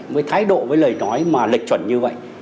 với thái độ với lời nói mà lệch chuẩn như vậy